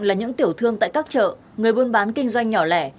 là những tiểu thương tại các chợ người buôn bán kinh doanh nhỏ lẻ